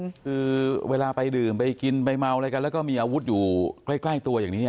คือเวลาไปดื่มไปกินไปเมาอะไรกันแล้วก็มีอาวุธอยู่ใกล้ตัวอย่างนี้